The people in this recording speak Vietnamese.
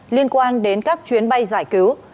liên quan đến các chuyến bay giải cứu